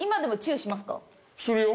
するよ。